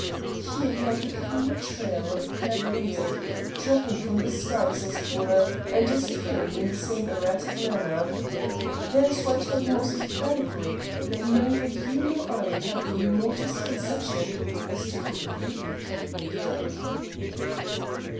Here you have the clear trail of a clever lunatic, dropping from the skies, as it were, and disappearing in the same erratic manner. That is why I tell you most emphatically that neither you nor I have yet the remotest conception as to who really killed Lady Dyke."